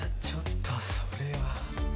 ちょっとそれは。